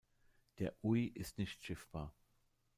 Der Ui ist nicht schiffbar.